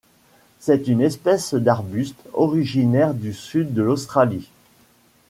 C'est une espèce d'arbustes originaires du sud de l'Australie.